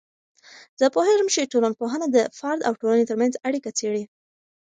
زه پوهیږم چې ټولنپوهنه د فرد او ټولنې ترمنځ اړیکه څیړي.